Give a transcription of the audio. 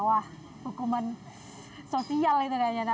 wah hukuman sosial itu kayaknya